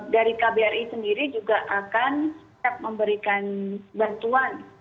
dari kbri sendiri juga akan tetap memberikan bantuan